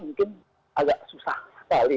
mungkin agak susah sekali